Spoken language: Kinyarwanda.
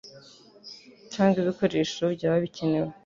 cyangwa ibikoresho byaba bikenewe